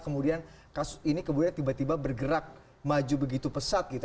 kemudian kasus ini kemudian tiba tiba bergerak maju begitu pesat gitu